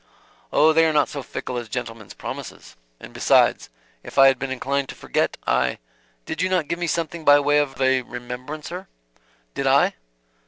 "Oh, they are not so fickle as gentlemen's promises. And besides, if I had been inclined to forget, I did you not give me something by way of a remembrancer?" "Did I?"